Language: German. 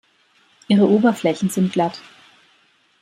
Ihre Oberflächen sind glatt.